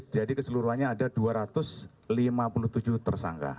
jadi keseluruhannya ada dua ratus lima puluh tujuh tersangka